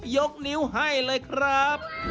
ยกนิ้วให้เลยครับ